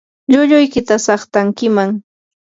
llulluykita saqtankiman.